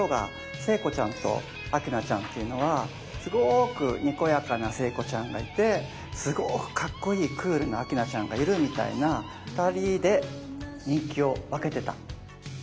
聖子ちゃんと明菜ちゃんっていうのはすごくにこやかな聖子ちゃんがいてすごくかっこいいクールな明菜ちゃんがいるみたいな２人で人気を分けてた。